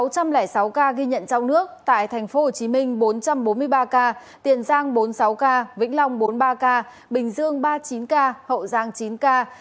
sáu trăm linh sáu ca ghi nhận trong nước tại tp hcm bốn trăm bốn mươi ba ca tiền giang bốn mươi sáu ca vĩnh long bốn mươi ba ca bình dương ba mươi chín ca hậu giang chín ca